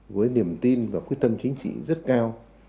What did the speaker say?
với niềm tin và quyết tâm chính trị rất cao